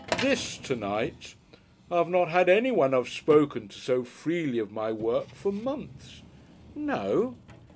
This to night . I've not had anyone I've spoken to so freely of my Work for months." "No?"